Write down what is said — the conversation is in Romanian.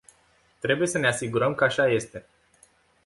Trebuie să ne asigurăm că așa este.